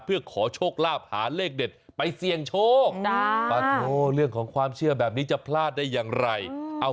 เพื่อขอโชคลาภหาเลขเด็ดไปเสี่ยงโชคเรื่องของความเชื่อแบบนี้จะพลาดได้อย่างไร